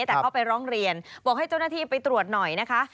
แต่เขาไปร้องเรียนบอกให้เจ้าหน้าที่ไปตรวจหน่อยนะคะ